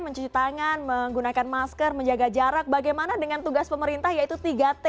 mencuci tangan menggunakan masker menjaga jarak bagaimana dengan tugas pemerintah yaitu tiga t